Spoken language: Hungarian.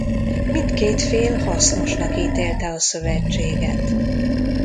Mindkét fél hasznosnak ítélte a szövetséget.